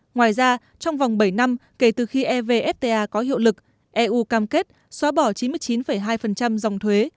ngoài ra trong vòng bảy năm kể từ khi evfta có hiệu lực eu cam kết xóa bỏ chín mươi chín hai dòng thuế